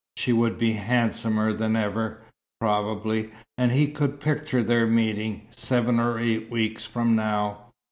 She would be handsomer than ever, probably, and he could picture their meeting, seven or eight weeks from now.